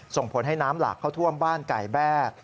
ส่งผลให้น้ำหลากเข้าท่วมบ้านไก่แบ้